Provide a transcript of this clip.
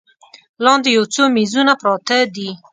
لاندې یو څو میزونه پراته دي.